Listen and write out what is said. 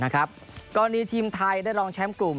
กรณีทีมไทยได้รองแชมป์กลุ่ม